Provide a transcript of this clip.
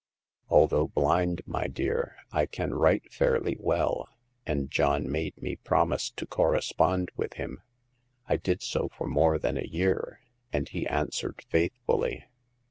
Although blind, my dear, I can write fairly well, and John made me promise to correspond with him. I did so for more than a year, and he answered faithfully."